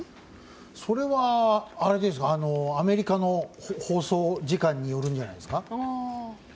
それはアメリカの放送時間によるんじゃないですか。